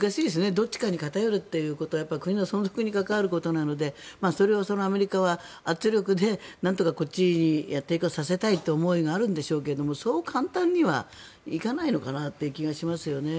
どっちかに偏るということは国の存続に関わることなのでそれをアメリカは圧力でなんとかこっちにやってこさせたいという思いがあるんでしょうけどそう簡単にはいかないのかなという気がしますよね。